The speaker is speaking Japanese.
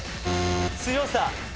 強さ。